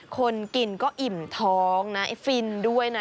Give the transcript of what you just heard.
คนกินก็อิ่มท้องนะเนี่ยฟินน์ด้วยนะ